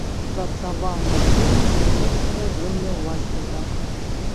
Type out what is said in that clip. Працаваў на ферме нямецкага землеўласніка.